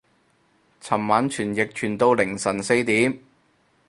尋晚傳譯傳到凌晨四點